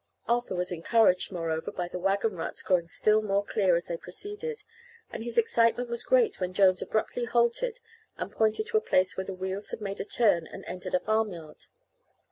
Arthur was encouraged, moreover, by the wagon ruts growing still more clear as they proceeded, and his excitement was great when Jones abruptly halted and pointed to a place where the wheels had made a turn and entered a farm yard.